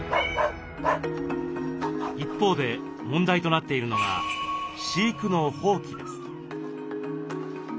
一方で問題となっているのが飼育の放棄です。